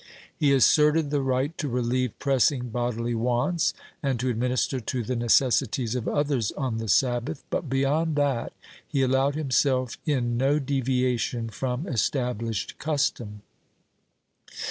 He asserted the right to relieve pressing bodily wants, and to administer to the necessities of others on the Sabbath, but beyond that he allowed himself in no deviation from established custom."